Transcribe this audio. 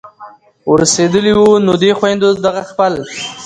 ور رسېدلي وو نو دې خویندو دغه خپل